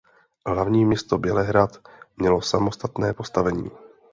Hlavní město Bělehrad mělo samostatné postavení.